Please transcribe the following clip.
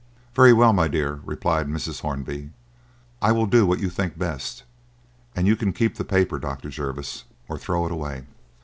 "Very well, my dear," replied Mrs. Hornby, "I will do what you think best, and you can keep the paper, Dr. Jervis, or throw it away."